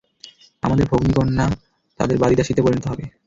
আমাদের ভগ্নি, কন্যা তাদের বাঁদী দাসীতে পরিণত হবে।